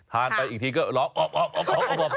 ทานไปอีกทีก็ล้ออบอบอบ